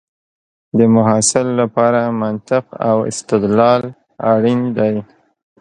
د محصل لپاره منطق او استدلال اړین دی.